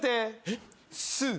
えっ？